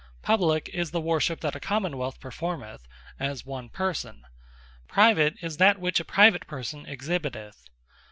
Publique, is the Worship that a Common wealth performeth, as one Person. Private, is that which a Private person exhibiteth.